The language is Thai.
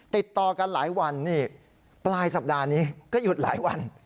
ติดต่อกันหลายวันนี่ปลายสัปดาห์นี้ก็หยุดหลายวัน